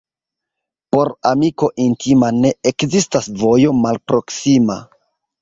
Por amiko intima ne ekzistas vojo malproksima.